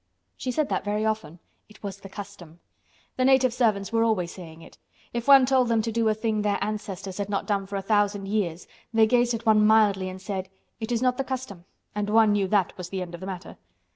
She said that very often—"It was the custom." The native servants were always saying it. If one told them to do a thing their ancestors had not done for a thousand years they gazed at one mildly and said, "It is not the custom" and one knew that was the end of the matter.